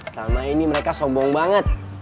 selama ini mereka sombong banget